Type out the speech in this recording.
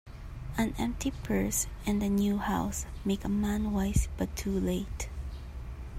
An empty purse, and a new house, make a man wise, but too late.